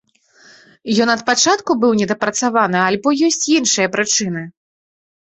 Ён ад пачатку быў недапрацаваны, альбо ёсць іншыя прычыны?